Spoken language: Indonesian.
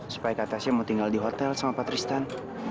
supaya kakak saya mau tinggal di hotel sama pak tristan